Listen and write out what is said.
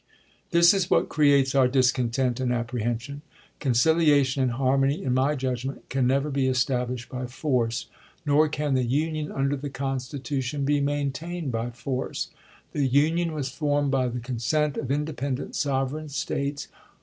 This is what creates our discontent and apprehen sion. .. Conciliation and harmony, in my judgment, can never be established by force. Nor can the Union, under the Constitution, be maintained by force. The Union was formed by the consent of Independent Sovereign States.